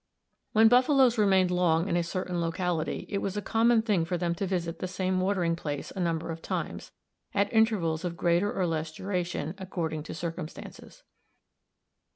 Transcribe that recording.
When buffaloes remained long in a certain locality it was a common thing for them to visit the same watering place a number of times, at intervals of greater or less duration, according to circumstances.